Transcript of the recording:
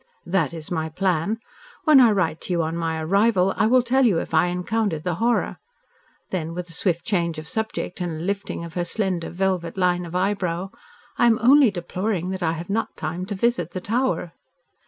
"That is my plan. When I write to you on my arrival, I will tell you if I encountered the horror." Then, with a swift change of subject and a lifting of her slender, velvet line of eyebrow, "I am only deploring that I have not time to visit the Tower."